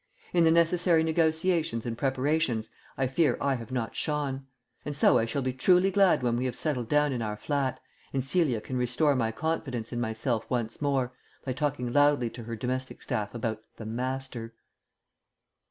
In the necessary negotiations and preparations I fear I have not shone. And so I shall be truly glad when we have settled down in our flat ... and Celia can restore my confidence in myself once more by talking loudly to her domestic staff about "The Master."